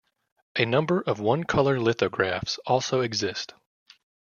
A number of one-colour lithographs also exist.